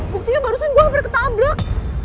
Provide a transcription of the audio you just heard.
buktinya barusan gue hampir ketabrak